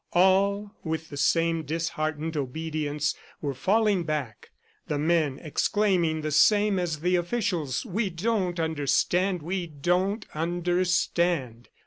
All, with the same disheartened obedience, were falling back, the men exclaiming the same as the officials, "We don't understand. We don't understand!"